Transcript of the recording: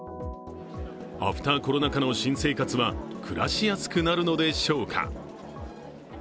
アフター・コロナ下の新生活は暮らしやすくなるのでしょうか。